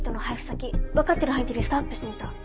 先わかってる範囲でリストアップしてみた。